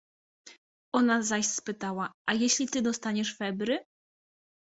Ona zaś spytała: — A jeśli ty dostaniesz febry?